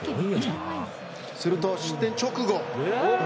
すると、失点直後。